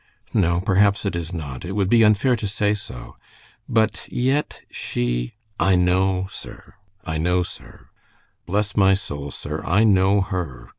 "No, perhaps it is not. It would be unfair to say so, but yet she " "I know, sir. I know, sir. Bless my soul, sir. I know her.